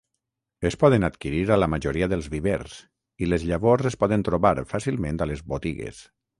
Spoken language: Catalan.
Es poden adquirir a la majoria dels vivers i les llavors es poden trobar fàcilment a les botigues.